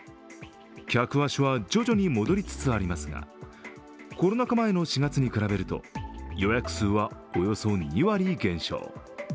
客足は徐々に戻りつつありますがコロナ禍前の４月に比べると予約数はおよそ２割減少。